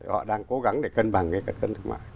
họ đang cố gắng để cân bằng cái cân thương mại